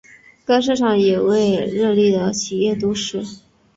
该市场也成为日立的的企业都市。